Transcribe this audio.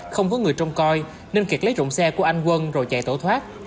không có người trông coi nên kiệt lấy rụng xe của anh quân rồi chạy tổ thoát